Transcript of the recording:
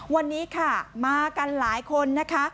วันนี้ค่ะมากันหลายคนนะคะ